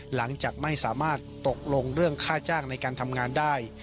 หลังจากไม่สามารถตกลงเรื่องค่าจ้างในการทำงานได้